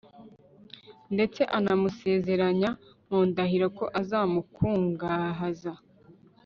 ndetse anamusezeranya mu ndahiro ko azamukungahaza